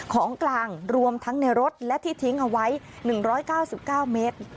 ของกลางรวมทั้งในรถและที่ทิ้งเอาไว้๑๙๙เมตร